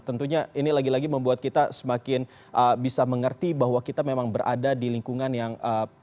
tentunya ini lagi lagi membuat kita semakin bisa mengerti bahwa kita memang berada di lingkungan yang